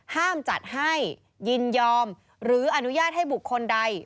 ห้ามจัดให้ยินยอมหรืออนุญาตให้บุคคลใด